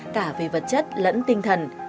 cả về vật chất lẫn tinh thần